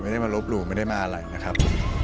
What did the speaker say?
ไม่ได้มาลบหลู่ไม่ได้มาอะไรนะครับ